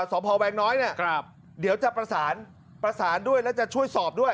สพแวงน้อยเนี่ยเดี๋ยวจะประสานประสานด้วยแล้วจะช่วยสอบด้วย